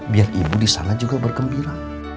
biar ibu disana juga bergembira